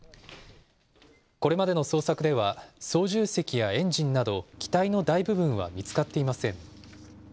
これまでの捜索では、操縦席やエンジンなど、機体の大部分は見つかっていません。